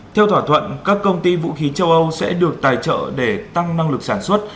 theo thỏa thuận các công ty vũ khí châu âu sẽ được tài trợ để tăng năng lực sản xuất